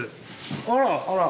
あら。